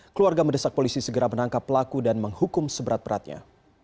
keluarga mendesak polisi segera menangkap pelaku dan menghukum seberat beratnya